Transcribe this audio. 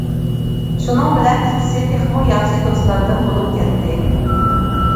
شۇنىڭ بىلەن ئىككىسى تېخىمۇ ياخشى دوستلاردىن بولۇپ كەتتى.